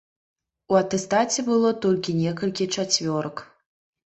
У атэстаце было толькі некалькі чацвёрак.